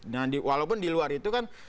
nah walaupun di luar itu kan